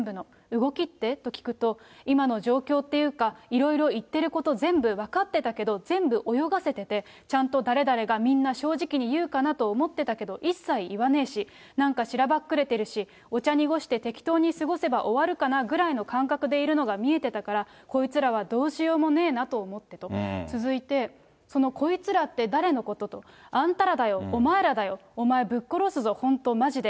動きって？と聞くと、今の状況っていうか、いろいろ言ってること、全部分かってたけど、全部泳がせてて、ちゃんと誰々がみんな正直に言うかなと思ってたけど、一切言わねぇし、なんかしらばっくれてるし、お茶にごして適当に過ごせば終わるかなぐらいの感覚でいるのが見えてたから、こいつらはどうしようもねえなと思ってと続いて、そのこいつらって誰のこと？あんたらだよ、お前らだよ、お前、ぶっ殺すぞ、本当、まじで。